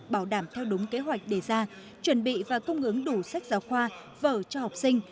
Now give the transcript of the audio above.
bảo đảm theo đúng kế hoạch đề ra chuẩn bị và cung ứng đủ sách giáo khoa vở cho học sinh